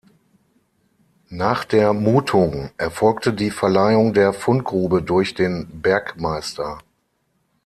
Nach der Mutung erfolgte die Verleihung der Fundgrube durch den Bergmeister.